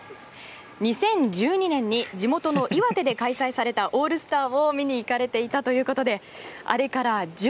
２０１２年に地元の岩手で開催されたオールスターを見に行かれていたということであれから１０年。